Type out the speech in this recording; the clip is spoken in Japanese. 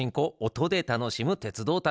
音で楽しむ鉄道旅」。